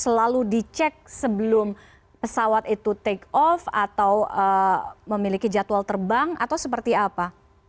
selalu dicek sebelum pesawat itu take off atau memiliki jadwal terbang atau seperti apa